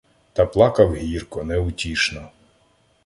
Та плакав гірко, неутішно.